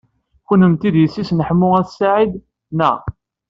Kunemti d yessi-s n Ḥemmu n At Sɛid, naɣ?